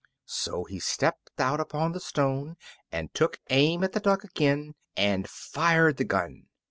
So he stepped out upon the stone, and took aim at the duck again, and fired the gun.